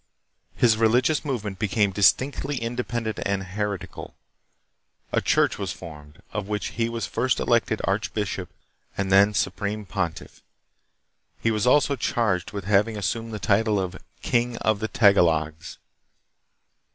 His religious movement became distinctly independent and heretical. A church was formed, of which he was first elected archbishop and then supreme pontiff. He was also charged with having assumed the title of " King of the Tagalogs."